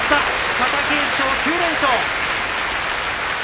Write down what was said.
貴景勝、９連勝。